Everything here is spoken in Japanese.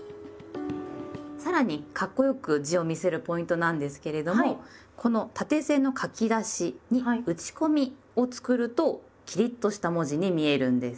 さらにかっこよく字を見せるポイントなんですけれどもこの縦線の書き出しに「打ち込み」を作るとキリッとした文字に見えるんです。